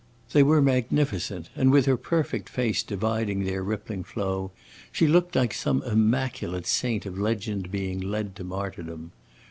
They were magnificent, and with her perfect face dividing their rippling flow she looked like some immaculate saint of legend being led to martyrdom.